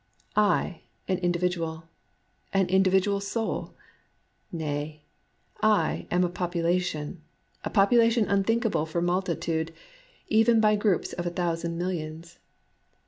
I an individual, — an individual soul ! Nay, I am a population, — a population unthinkable for multitude, even by groups of a thousand millions